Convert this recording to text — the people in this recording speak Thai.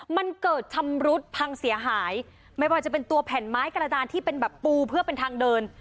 มันเกิดชำรุดพังเสียหายไม่ว่าจะเป็นตัวแผ่นไม้กระดานที่เป็นแบบปูเพื่อเป็นทางเดิน